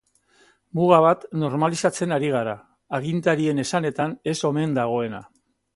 Muga bat normalizatzen ari gara, agintarien esanetan ez omen dagoena.